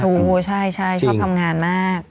ถูกใช่ใช่ชอบทำงานมาก